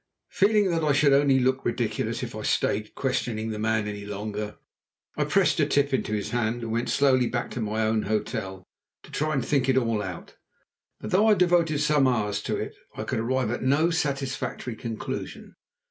Feeling that I should only look ridiculous if I stayed questioning the man any longer, I pressed a tip into his hand and went slowly back to my own hotel to try and think it all out. But though I devoted some hours to it, I could arrive at no satisfactory conclusion.